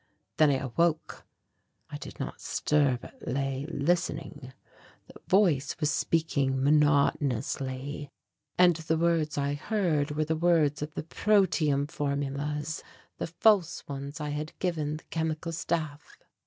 Then I awoke. I did not stir but lay listening. The voice was speaking monotonously and the words I heard were the words of the protium formulas, the false ones I had given the Chemical Staff.